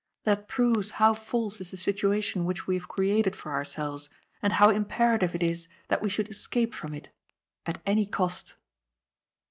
That proves how false is the situation we have created for ourselves, and how imperative it is that we should escape from it. At any cost."